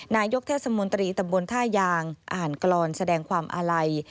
นายกเทศมนตรีตำบลท่ายางอ่านกรอนแสดงความอาลัย